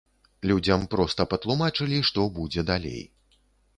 Людзям проста патлумачылі, што будзе далей.